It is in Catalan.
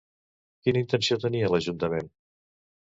Quina intenció tenia l'ajuntament?